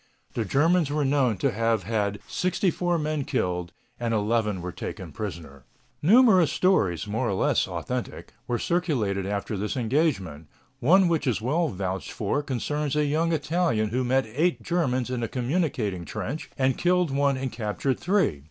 The Germans were known to have had 64 men killed, and 11 were taken prisoner. Numerous stories, more or less authentic, were circulated after this engagement. One which is well vouched for concerns a young Italian who met eight Germans in a communicating trench and killed one and captured three.